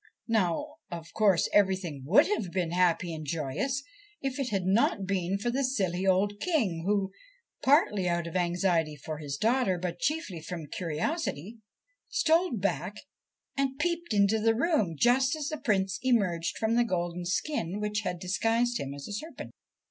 Now, of course, everything would have been happy and joyous if it had not been for the silly old King, who, partly out of anxiety for his daughter, but chiefly from curiosity, stole back and peeped into the room just as the Prince emerged from the golden skin which had disguised him as a serpent.